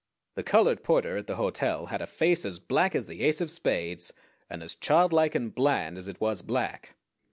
The colored porter at the hotel had a face as black as the ace of spades, and as childlike and bland as it was black.